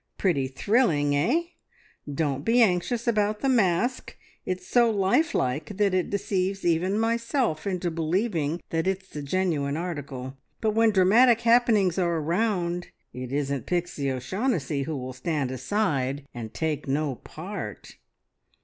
Pretty thrilling, eh? Don't be anxious about the mask! It's so life like that it deceives even myself into believing that it's the genuine article, but when dramatic happenings are around, it isn't Pixie O'Shaughnessy who will stand aside and take no part!